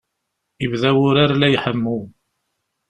Ibda wurar la iḥemmu.